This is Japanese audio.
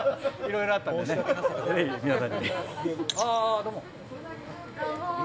どうも。